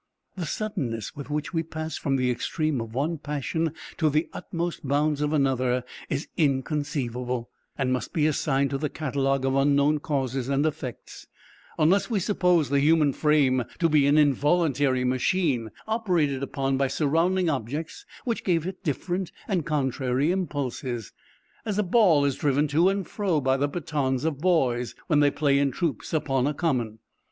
The suddenness with which we pass from the extreme of one passion, to the utmost bounds of another, is inconceivable, and must be assigned to the catalogue of unknown causes and effects, unless we suppose the human frame to be an involuntary machine, operated upon by surrounding objects which give it different and contrary impulses, as a ball is driven to and fro by the batons of boys, when they play in troops upon a common.